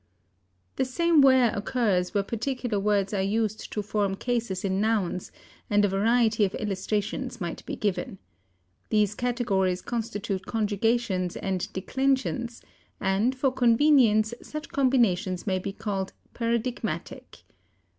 The same wear occurs where particular words are used to form cases in nouns, and a variety of illustrations might be given. These categories constitute conjugations and declensions, and for convenience such combinations may be called paradigmatic.